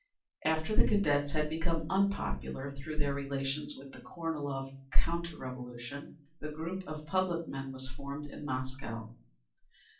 _ After the Cadets had become unpopular through their relations with the Kornilov counter revolution, the Group of Public Men was formed in Moscow.